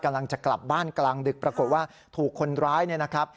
กำลังจะกลับบ้านกลางดึกปรากฏว่าถูกคนร้ายเนี่ยนะครับ